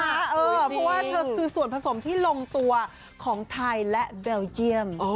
เพราะว่าเธอคือส่วนผสมที่ลงตัวของไทยและเบลเจียม